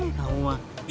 nggak mau ma